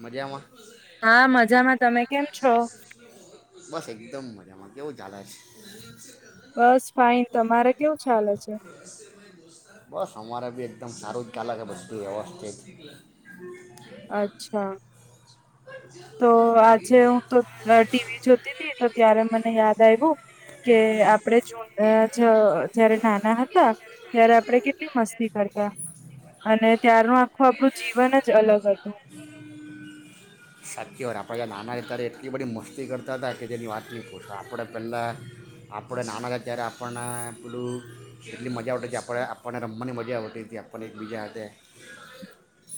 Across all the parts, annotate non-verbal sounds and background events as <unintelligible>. મજામાં હા મજામાં તમે કેમ છો? બસ એકદમ મજામાં કેવું ચાલે છે? બસ ફાઇન તમારે કેવું ચાલે છે? બસ અમારે બી એકદમ સારું જ ચાાલે છે બધું વ્યવસ્થિત. અચ્છા. તો આજે હું તો ટીવી જોતી તી તો ત્યારે મને યાદ આવ્યું કે આપણે જૂન જ જારે નાના હતા ત્યારે આપણે કેટલી મસ્તી કરતા અને ત્યારનું આખું આપણું જીવન જ અલગ હતું. સાચી વાત આપણેં નાના હતા ત્યારે એટલી બડી મસ્તી કરતા હતા કે જેની વાત નહી પૂછો આપડે પહેલા આપણે નાના હતા ત્યારે આપણને પેલું એટલી મજા આવતી આપણે આપણને રમવાની મજા આવતી હતી આપણને એકબીજા હાથે.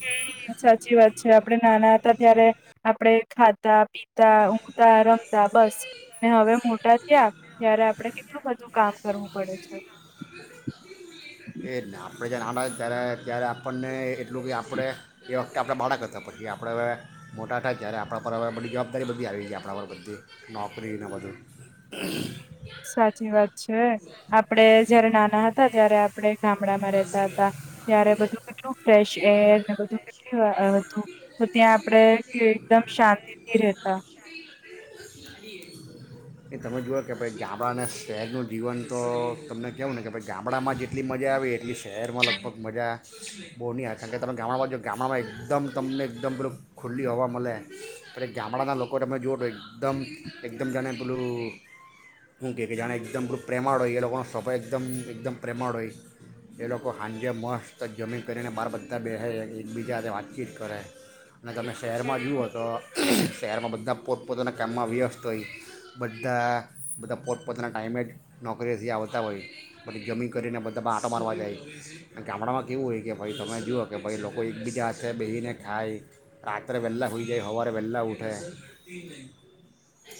હમ્મ સાચી વાત છે આપડે નાના હતા ત્યારે આપડે ખાતા પીતા ઊંઘતા રમતા બસ ને હવે મોટા થયા ત્યારે આપડે કેટલું બધું કામ કરવું પડે છે. જ્યાર નાના હોય ત્યારે ત્યારે આપણને એટલું કે આપડે એ વખતે આપડે બાળક હતા પછી આપડે હવે મોટા થાય ત્યારે આપણા પર હવે બધી જવાબદારી બધી આવી ગઈ આપણા પર બધી નોકરીને બધું. સાચી વાત છે આપડે જયારે નાના હ તા ત્યારે આપ પડે ગામડામાં રેહતા હતા ત્યારે બધું કેટલું ફ્રેશ એર ને બધું કેટલી હતું તો ત્યાં આપણે એકદમ શાંતિથી રેતા. એ તમે જુઓ કે ભઈ ગામડાને શહેરનું જીવન તો તમને કેવું ને કે ગામડામાં જે એટલી મજા આવી એટલી શહેરમાં લગભગ મજા બહુની આવે કારણ કે તમે ગામડામાં જો ગામડામાં એકદમ તમને એકદમ પેલું ખુલ્લી હવા મળે આપડે ગામડાના લોકોને તમે જુઓ તો એકદમ એકદમ જાણે પેલું શું કહે કે જાણે એકદમ પેલું પ્રેમાળ હોય એ લોકોનો સ્વભાવ એકદમ એકદમ પ્રેમાળ હોય એ લોકો હાંજે મસ્ત જમી કરીને બહાર બધા બેહે એકબીજા હાથે વાતચીત કરે અને તમે શહેરમાં જુઓ તો શહેરમાં બધા પોતપોતાના કામમાં વ્યસ્ત હોય બધા બધા પોતપોતાના ટાઈમે જ નોકરીએથી આવતા હોય પછી જમી કરીને બધ ધા આંટો મારવા જાય ગામડામાં કેવું હોય કે ભઈ તમે જુઓ કે ભઈ લોકો એકબીજા હાથે બેહીને ખાય રાત્રે વહેલાં હુંઈ જાય હવારે વહેલાં ઉઠે.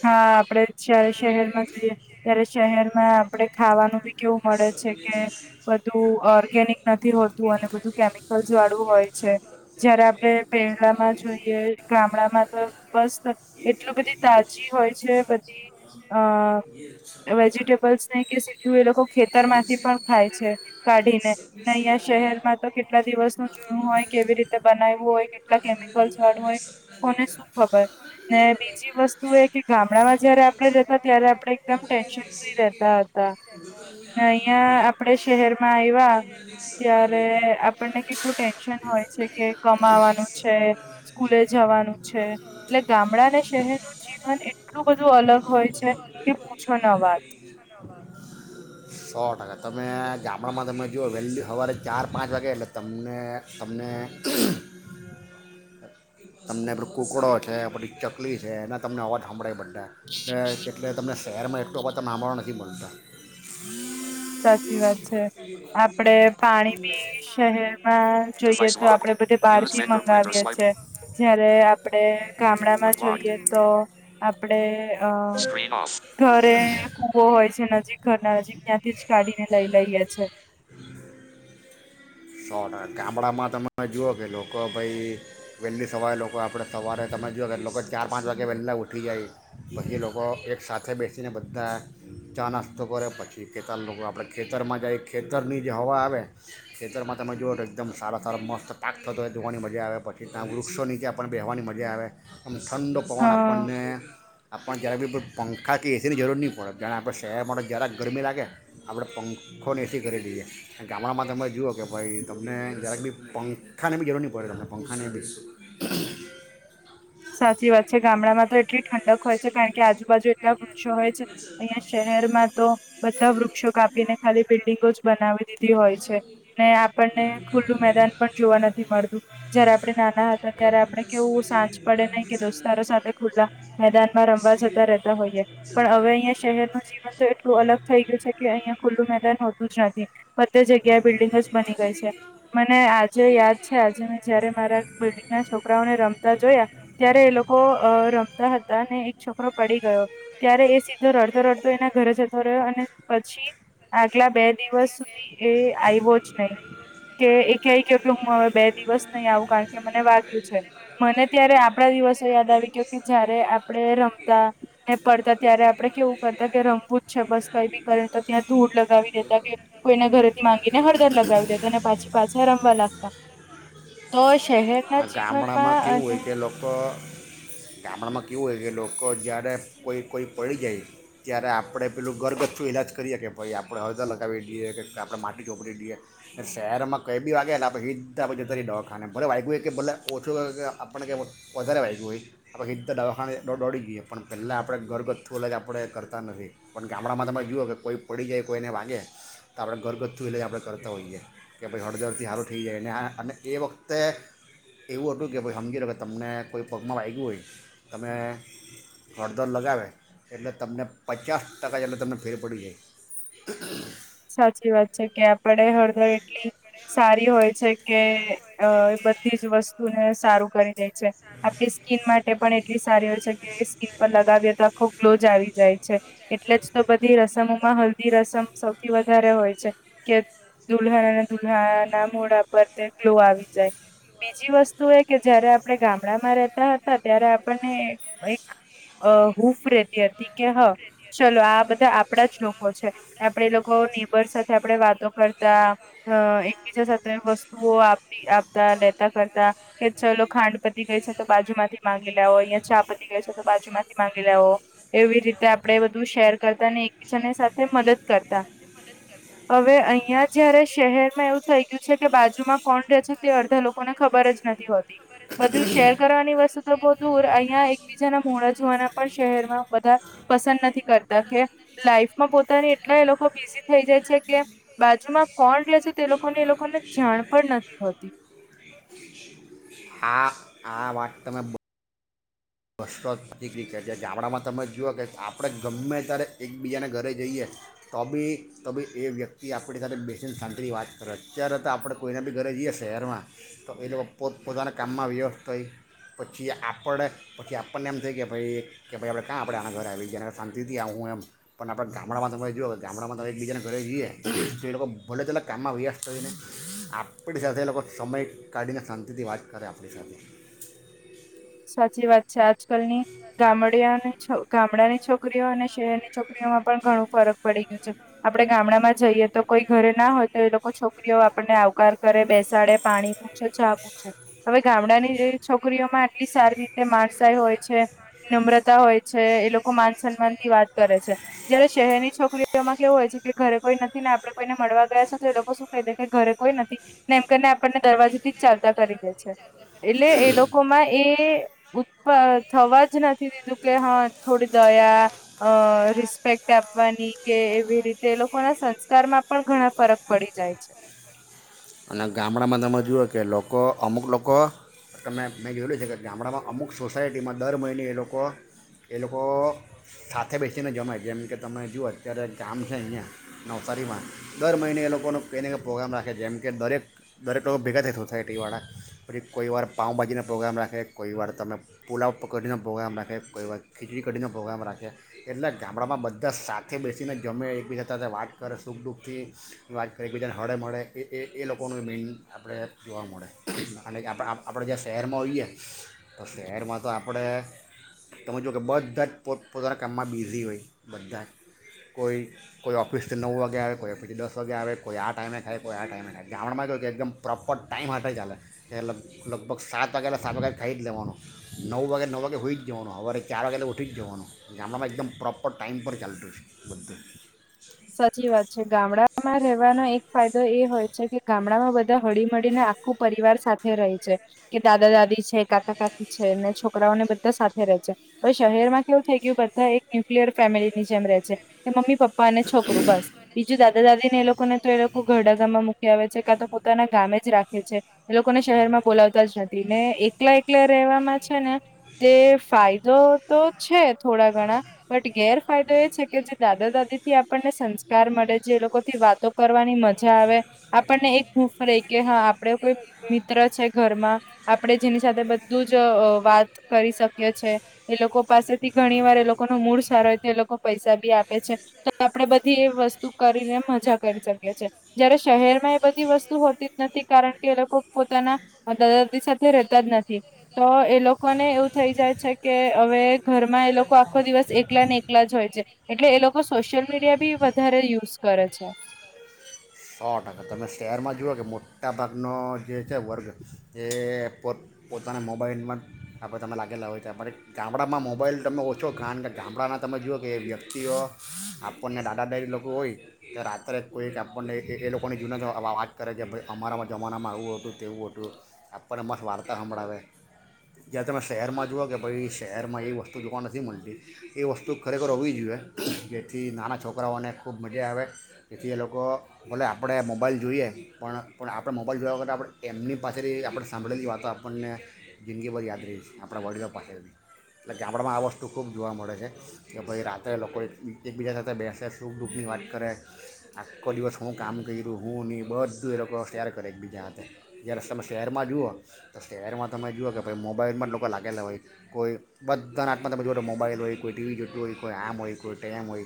હા આપડે જ્યારે શહેરમાં જઈએ ત્યારે શહેરમાં આપડે ખાવાનું બી કેવું મળે છે કે બધું ઓર્ગેનિક નથી હોતું અને બધું કેમિકલ્સ વાળું હોય છે જયારે આપડે પહેલામાં જોઈએ ગામડામાં તો બસ એટલું બધી તા જી હોય છે બધી અ વેજીટેબલ્સને કે સીધું એ લો કો ખેતરમાંથી પણ ખાય છે કાઢીને ને અહિયાં શહેરમાં તો કેટલા દિવસનું જૂનું હોય કેવી રીતે બનાવ્યુ હોય કેટલા કેમિકલસ વાડુ હોય કોને શું ખબર ને બીજી વસ્ તું એ કે ગામડામાં જયારે આપણે રેતા ત્યારે આપડે એકદમ ટેન્શન ફ્રી રેતા હતા. ને અહીંયા આપણે અહીંયા શહેરમાં આવ્યા આપણે શહેર ત્યારે માં આપણને કેટલું આયવા ટેન્શન હોય છે કે ત્યારે કમાવાનું <unintelligible> છે ને સ્કૂલે જવાનું ગામડા છે એટલે <inaudible> ગામડા અને કેટલું શહેરનું જીવન બધું એટલું બધું અલગ છે કે હોય પૂછો ન વાત છે <inaudible> સો ટકા તમે ગામડામાં તમે જુઓ ઓ વહેલી સવારે ચાર પાંચ વાગે એટલે તમને તમને તમને કુકડો છે, પછી ચકલી છે, એના તમને અવાજ હભંળાય બધા એટલે તમને શહેરમાં એટલો અવાજ ત હાભળવા નથી મળતો. સાચી વાત છે આપડે પાણી બી શહેરમાં જોઈએ તો આપડે બધે બહાર થી મંગાવીએ છે એ જયારે આપડે ગામડામાં જોઈએ તો આપડે અ ઘરે કૂવો હોય છે નજીક ઘર ના નજીક ત્યાથી કાઢીને લઈ લઈએ છે. સો ટકા ગામડામાં તમે જુઓ કે લોકો ભઈ વહેલી સવારે લોકો આપણે સવારે તમે જુઓ કે લોકો ચાર પાંચ વાગે વહેલા ઉઠી જાય, પછી લોકો એક સાથે બેસીને બધા ચા નાસ્તો કરે, પછી કેટ લોકો આપણે ખેતરમાં જાય ખેતરની જે હવા આવે ખેતરમાં તમે જોુઓ તો એકદમ સારા સારા <inaudible> થતો જોવાની મજા આવે પછી ત્યાં વૃક્ષો નીચે પણ બેહેવાની મજા આવે અમ ઠંડો પવન હા આપણને આપણ જ્યારે બી પંખા કે એસીની જરૂર નહીં પડે જાણે આપણે શહેરમાં તો જરાક ગરમી લાગે આપણે પંખોને એસી કરી લઈએ ગામડામાં તમે જુઓ કે ભાઈ તમને જરાક બી પંખાની બી જરૂર નહીં પડે તમને પંખાને બી સાચી વાત છે ગામડામાં તો એટલી ઠંડક હોય છે કાણ કે આજુબાજુ એટલા વૃક્ષો હોય છે અહિયાં શહેરમાં તો બધા વૃક્ષો કાપીને ખાલી બિલ્ડિંગો જ બનાવી દીધી હોય છે. ને આપણને ખુલ્લું મેદાન પણ જોવા નથી મળતું, જયારે આપણે નાના હતા ત્યારે આપડે કેવું સાંજ આપડેને કે દોસ્તારો સાથે ખુલ્લા મેદાનમાં રમવા જતા રહેતા હોઈએ પણ અવે અઈયાં શહેરનું જીવન તો એટલું અલગ થઈ ગયું છે કે અઈયાં ખુલ્લું મેદાન હોતું જ નથી, બધે જગ્યાએ બિલ્ડિંગ જ જાય છે, મને આજે યાદ છે આજે મેં જયારે મારા બિલ્ડિગના છોકરાઓને રમતા જોયા ત્યારે એ લોકો અ રમતા હતા ને એક છોકરો પડી ગયો, ત્યારે એ સીધો રડતો રડતો એના ઘરે જતો રહ્યો અને પછી આગલા બે દિવસ સુધી એ આય્વો જ નઈ કે એ કેય ગયો કે હું અવે બે દિવસ નઈ આવું કાણ કે મને વાગ્યું છે મને ત્યારે આપડા દિવસો યાદ આવી ગયો કે જયારે આપડે રમતા ને પડતા ત્યારે આપડે કેવું કરતા કે રમવું જ છે બસ કઈ બી કરીને તો ત્યાં ધૂળ લગાવી દેતા કે કોઈના ઘરેથી માંગીને હળદર લગાવી દેતા ને પાછી પાછા રમવા લાગતા તો શહેર તેના અને ગામડામાં કેવું જીવનમાં હોય અન કે લોકો ગામડામાં કેવું હોય કે લોકો જ્યારે કોઈ કોઈ પડી જાય ત્યારે આપડે પેલું ગરગથું ઇલાજ કરીએ કે ભઈ આપડે હળદર લગાવી દીએ કે આપડે માટી ચોપડી દીએ ને શહેરમાં કંઈ બી વાગે એટલે આપડે હીધા આપડે જતા રીયે દવાખાને ભલે વાયગુ એ કે ભલે ઓછું વાયગુ કે આપણે કે વધારે વાયગુ હોય આપણે હીધા દવાખાને દો દોડી ગીએ પણ પેલ્લાં આપડે ઘરગથ્થુ અલગ આપડે કરતા નથી પણ ગામણાંમાં તમે જુવો કે કોઈ પડી જાય કોઈને વાગે તો આપડે ઘરગથ્થુ એટલે જ આપડે કરતા હોઈએ કે ભઈ હળદડથી હારુ થઈ જાય ને આ અને એ વખતે એવું અતું કે ભઈ હમજી લો કે તમને કોઈ પગમાં વાયગુ હોય, તમે હળદર લગાવે એટલે તમને પચાસ ટકા જેટલું તમને ફેર પડી જાય સાચી વાત છે કે આપડે હળદર એટલી સારી હોય છે કે અ બધી જ વસ્તુને સારું કરી દે છે, આપણી સ્કીિન માટે પણ એટ એટલી સારી હોય છે કે એ સ્કીિન પર લગાવીએ તો આખો ગ્લો જ આવી જાય છે, એટલે જ તો બધી રસમોમાં હલ્દી રસમ સૌ થી વધારે હોય છે, કે દુલ્હન અને દુલ્હાના મોઢા પર તે ગ્લો આવી જાય, બીજી વસ્તુ એ કે જયારે આપણે ગામડામાં રહેતા હતા ત્યારે આપણને એક અ હૂફ રેતી હતી કે હા ચલો આ બધા આપડા જ લોકો છે, આપ આપડે એ લોકો નીબર સાથે આપડે વાતો કરતા અ એકબીજા સાથે વસ્તુઓ આપતી આપતા લેતા કરતા કે ચલો ખાંડ પતી ગઈ છે તો બાજુમાંથી માગી લેવો અઈયે ચા પતી ગઈ છે તો બાજુમાંથી માંગી લેવો, એવી રીતે આપડે બધું શેર કરતાને એકબીજાની સાથે મદદ કરતાં, હવે અઈયાં જયારે શહેરમાં એવું થઈ ગયું છે કે બાજુમાં કોણ રહે છે તે અડધા લોકોને ખબર જ નથી હોતી, બધું શેર કરવાની વસ્તુ તો બો દૂર અઈયાં એકબીજાના મોઢા જોવાના પણ શહેરમાં બધા પસંદ નથી કરતા કે લાઈફમાં પોતાની એ ટલા એ લોકો બિઝી થઈ જાય છે કે બાજુમાં કોણ રે છે તે લોકોને એ લોકોને જાણ પણ નથી હોતી. આ આ વાત તમે બ <unintelligible> જાય છે, ગામડામાં તમે જુઓ કે આપડે ગમે તારે એકબીજાના ઘરે જઈએ તો બી તો બી એ વ્યક્તિ આપડી સાથે બેસીને શાંતિથી વાત કરે અત્યારે તો આપડે કોઈના બી ઘરે જીએ શહેરમાં તો એ લોક પોતપોતાના કામમાં વ્યવસ્થ થઈ પછી આપડે પછી આપડને એમ થાય કે ભઈ કે ભઈ આપડે કાં આના ઘરે આવી ગીયા ને શાંતિથી આવહું એમ પન આપડે ગામડામાં તમે જુઓ ગામડામાં તમે એકબીજાના ઘરે જીએ તો એ લોકો ભલે કેટલાક કામમાં વ્યસ્ત રેને આપડી સાથે એ લોકો સમય કાઢીને શાંતિથી વાત કરે આપડી સાથે સાચી વાત છે આજ કાલની ગામડીયાની છો ગામડાની છો છોકરીઓ અને શહેરની છોકરીઓમાં પણ ઘણું ફરક પડી ગયું છે, આપડે ગામડામાં જઈએ તો કોઈ ઘરે ના હોય તો એ લોકો છોકરીઓ આપણને આવકાર કરે બેસ શાડે, પાણી પૂછે, ચા પૂછે, હવે ગામડાની જે છોકરીઓમાં એટલી સારી રીતે માણસાઈ હોય છે, નમ્રતા હોય છે, એ લોકો માન સન્માનથી વાત કરે છે જયારે શહેરની છોકરીઓમાં કેવું હોય છે કે ઘરે કોઈ નથી ને આપડે કોઈને મળવા ગયા છે તો એ લોકો શું કહી દે કે ઘરે કોઈ નથી ને એમ કરીને આપણને દરવાજેથી જ ચાલતા કરી દે છે એટલે એ લોકોમાં એ ઉત્પર થવા જ નથી દીધું કે હાં થોડી દયા અ રિસ્પેક્ટ આપવાની કે એવી રીતે એ લોકોના સંસ્કારમાં પણ ઘણા ફરક પડી જાય છે. અને ગામડામાં તમે જુઓ કે લોકો અમુક લોકો તમે મેં જોય લું છે કે ગામડામાં અમુક સોસાયટીમાં દર મહિને એ લોકો એ લોકો સાથે બેસીને જમાય જેમ કે તમે જુઓ અત્યારે ગામ છે અઈયા નવસારીમાં દર મહિને એ લોકોનો કંઈને કંઈ પ્રોગ્રામ રાખે જેમ કે દરેક દરેક લોકો ભેગા થાય સોસાયટી વાળા પછી કોઈવાર પાઉભાજીનો પ્રોગ્રામ રાખે, કોઈવાર તમે પુલાવ પ કઢીનો પ્રોગ્રામ રાખે, કોઈવાર ખીચડી કઢીનો પ્રોગ્રામ રાખે એટલે ગામડામાં બધા સાથે બેસીને જમે એકબીજા સાથે વાત કરે સુખ દુઃખથી વાત કરે એકબીજાને હળેમળે એ એ એ લોકોનું મેઇન આપડે જોવા મળે અને જે આપ આપડે જે શહેરમાં હોઈએ તો શહેરમાં તો આપડે તમે જો કે બધા જ પોત પોતાના કામમાં બિઝી હોય બધા જ, કોઈ કોઈ ઓફિસથી નવ વાગે આવે, કોઈ ઓફિસથી દસ વાગે આવે, કોઈ આ ટાઈમે ખાય, કોઈ આ ટાઈમે ને ગામડામાં કેવુ કે એકદમ પ્રોપર ટાઈમ હાથે ચાલે, એ લગ લગભગ સાત વાગે એટલે સાત વાગે ખાઈ જ લેવાનું, નવ વાગે એટલે નવ વાગે હુઈ જ જવાનું, હવારે ચાર વાગે એટલે ઉઠી જ જવાનું, ગામડામાં એકદમ પ્રોપર ટાઈમ પર ચાલતું છે બધું જ સાચી વાત છે ગામડા માં રહેવાનો એક ફાયદો એ હોય છે કે ગામડામાં બધા હળી- મળીને આખું પરિવાર સાથે રહી છે, કે દાદા-દાદી છે, કાકા- કાકી છે, ને છોકરાઓને બધા સાથે રે છે, હવે શહેરમાં કેવું થઈ ગયું? બધા એક ન્યુક્લિયર ફેમિલીની જેમ રેહ છે, કે મમ્મી પપ્પાને છોકરું બસ બીજું, દાદા દાદી ને એ લોકોને તો એ લોકો ઘરડા ગામમાં મૂકી આવે છે, કા તો પોતાના ગામે જ રાખે છે. એ લોકોને શહેરમાં બોલાવતા જ નથી ને, એકલા એકલા રહેેવામાં છે ને. જે ફાયદો તો છે થોડાક ઘણા બધા ગેરફાયદો એ છે કે, જે દાદા-દાદી સંસ્કાર મળે, જે લોકો થી વાતો કરવાની મજા આવે. આપણને એક હૂફ રહે કે, હા, આપડે કોઈ મિત્ર છે ઘરમાં. આપણે જેની સાથે બધું જ વાત કરી શકીએ છે. એ લોકો પાસેથી ઘણી વાર, એ લોકો ન મૂળ સારો હોય તો, એ લોકો પૈસા બી આપે છે. આપણેે બધી એ વસ્તુ કરીને મજા કરી શકીએ છીએ. જયારે શહેરમાં એ બધી વસ્તુ હોતી જ નથી, કારણ કે એ લોકો પોતાના દાદા દાદી સાથે રહેતા જ નથી. તો એ લોકોને એવું થઈ જાય છે કે, હવે ઘરમાં એ લોકો આખો દિવસ એકલા ને એકલા જ હોય છે. એટલે એ લોકો સોશિયલ મીડિયા બી વધારે યુઝ કરે છે. સો ટકા, તમે શહેરમાં જુઓ કે મોટાભાગનો જે છે વર્ગ એ પોતપોતાને મોબાઈલમાં આપણે તમે લાગેલા હોય છે. આપણે ગામડામાં મોબાઈલ તમે ઓછો, કારણ કે ગામડાના તમે જુઓ કે એ વ્યક્તિઓ, આપણને દાદા-દાદી લોકો હોય, કે રાત્રે કોઈ આપણને એ લોકોની જૂના વાત કરે કે, અમારા જમાનામાં એવું હતું, તેવું હતું. આપણને મસ્ત વાર્તા સંંભળાવે. જ્યારે તમે શહેરમાં જુઓ કે, ભાઈ, શહેરમાં એ વસ્તુ જોવા નથી મળતી. એ વસ્તુ ખરેખર હોવી જોઈએ, જેથી નાના છોકરાઓને ખૂબ મજા આવે, જેથી એ લોકો ભલે આપણે મોબાઈલ જોઈએ, પણ પણ આપણે મોબાઈલ જોયા વગતે આપણે એમની પાસેથી આપણે સાંભળેલી વાતો આપણને જિંદગીભર યાદ રહી છે. આપણા વડીવા પાસેથી એટલે કે આપણામાં આ વસ્તુ ખૂબ જોવા મળે છે કે, ભાઈ, રાત્રે લોકો એકબીજા સાથે બેસે, સુખ-દુઃખની વાત કરે, આખો દિવસ હું કામ કર્યું, હું નહીં બધું એ લોકો ત્યારે કરે એક બીજા હાથે. જ્યારે તમે શહેરમાં જુઓ તો, શહેરમાં તમે જુઓ કે, ભાઈ, મોબાઈલમાં જ લોકો લાગેલા હોય. કોઈ બધાના હાથમાં તમે જોઓ મોબાઈલ હોય, કોઈ ટીવી જોતું હોય, કોઈ આમ હોય, કોઈ તેમ હોય.